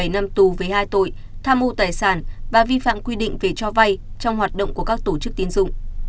một mươi bảy năm tù với hai tội tham mưu tài sản và vi phạm quy định về cho vay trong hoạt động của các tổ chức tiến dụng